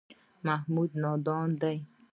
محمود نادان دی.